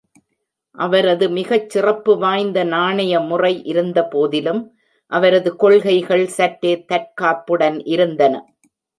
அவரது மிகச்சிறப்புவாய்ந்த நாணய முறை இருந்தபோதிலும், அவரது கொள்கைகள் சற்றே தற்காப்புடன் இருந்தன.